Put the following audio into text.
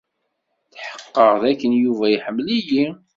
Tḥeqqeɣ d akken Yuba iḥemmel-iyi.